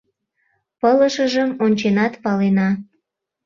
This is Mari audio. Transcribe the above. Пылышыжым онченат палена.